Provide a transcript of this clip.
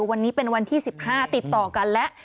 วันนี้เป็นวันที่๑๕ติดต่อกันแล้ว